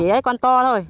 đấy con to thôi